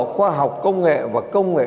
khoa học công nghệ và công nghệ